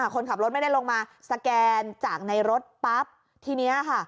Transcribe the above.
คนขับรถไม่ได้ลงมาสแกนจากในรถปั๊บทีนี้ค่ะ